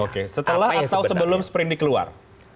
oke setelah atau sebelum sprinting keluar